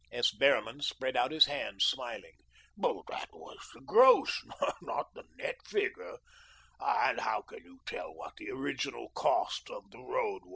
S. Behrman spread out his hands, smiling. "That was the gross, not the net figure and how can you tell what was the original cost of the road?"